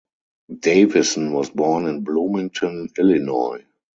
Davisson was born in Bloomington, Illinois.